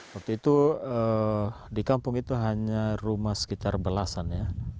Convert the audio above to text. waktu itu di kampung itu hanya rumah sekitar belasan ya